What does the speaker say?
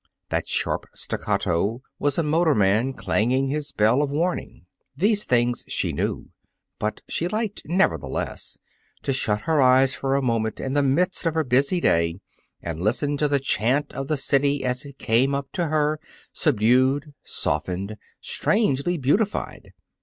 That sharp staccato was a motorman clanging his bell of warning. These things she knew. But she liked, nevertheless, to shut her eyes for a moment in the midst of her busy day and listen to the chant of the city as it came up to her, subdued, softened, strangely beautified.